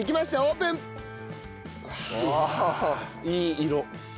いい色。